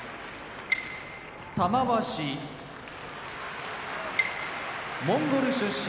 玉鷲モンゴル出身